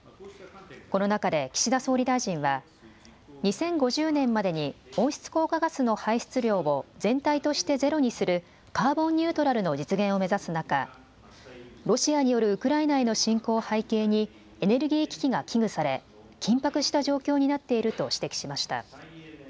この中で岸田総理大臣は２０５０年までに温室効果ガスの排出量を全体としてゼロにするカーボンニュートラルの実現を目指す中、ロシアによるウクライナへの侵攻を背景にエネルギー危機が危惧され、緊迫した状況になっていると指摘しました。